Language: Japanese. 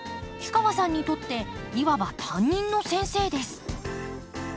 氷川さんにとっていわば担任の先生です。